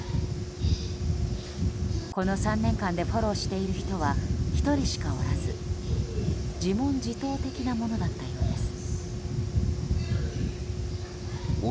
この３年間でフォローしている人は１人しかおらず、自問自答的なものだったようです。